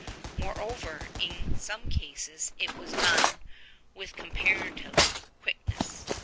Moreover, in some cases it was done with com parative quickness.